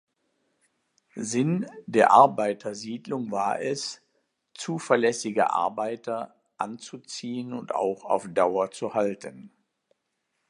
Sinn der Arbeitersiedlung war es, zuverlässige Arbeiter anzuziehen und auch auf Dauer zu halten.